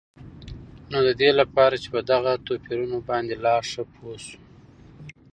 نو ددي لپاره چې په دغه توپيرونو باندي لا ښه پوه شو